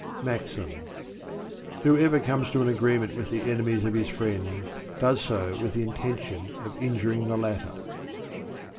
MAXIM. Whoever comes to an agreement with the enemies of his friends, does so with the intention of injuring the latter.